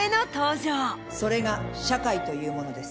それが社会というものです。